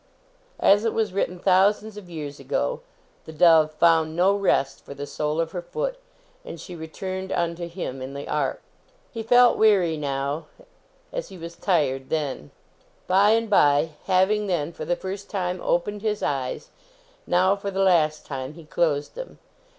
As it was written thousands of years ago The dove found no rest for the sole of her foot, and she returned unto him in the Ark." He felt weary now, as he was tired then. 125 OMEGA By and by, having then for the first time opened his eyes, now for the last time he closed them.